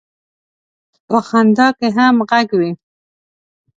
په خندا کې هم غږ وي.